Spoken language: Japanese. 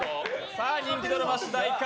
人気ドラマ主題歌